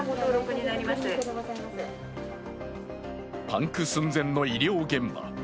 パンク寸前の医療現場。